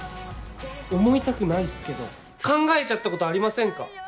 思いたくないっすけど考えちゃったことありませんか？